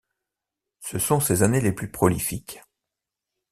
Ce sont ses années les plus prolifiques.